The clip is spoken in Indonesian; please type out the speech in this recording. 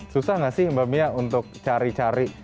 susah nggak sih mbak mia untuk cari cari